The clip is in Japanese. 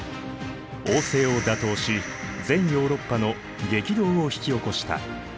王政を打倒し全ヨーロッパの激動を引き起こした。